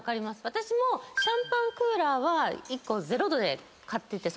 私もシャンパンクーラーは１個０℃で買ってて。